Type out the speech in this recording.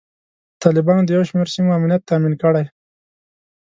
طالبانو د یو شمیر سیمو امنیت تامین کړی.